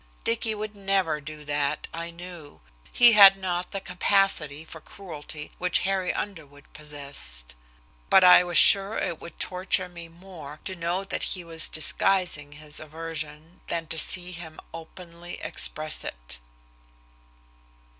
Dicky would never do that, I knew. He had not the capacity for cruelty which Harry Underwood possessed. But I was sure it would torture me more to know that he was disguising his aversion than to see him openly express it.